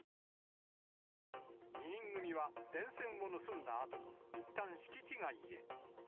２人組は電線を盗んだあと、いったん敷地外へ。